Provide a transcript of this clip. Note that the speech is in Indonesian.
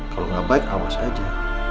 kalau nggak baik awas aja